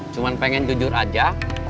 cuman pengen jujur aja